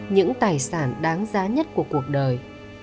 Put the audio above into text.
những tài sản đáng giá nhất của cuộc đời